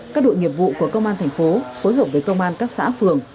các đội nghiệp vụ của công an thành phố phối hợp với công an các xã phường